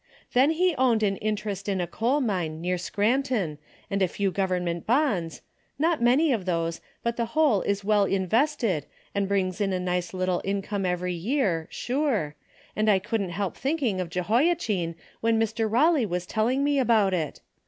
Then he owned an in terest in a coal mine near Scranton and a feAv government bonds, not many of those, but the Avhole is well invested and brings in a nice lit tle income every year, sure, and I couldn't help thinking of Jehoiachin Avhen Mr. Eawley Avas telling me about it.